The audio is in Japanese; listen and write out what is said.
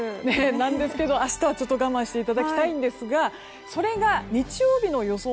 明日はちょっと我慢していただきたいんですがそれが日曜日の予想